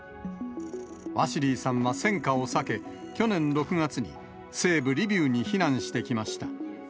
ワシリーさんは戦火を避け、去年６月に、西部リビウに避難してきました。